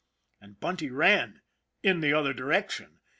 " And Bunty ran in the other direction.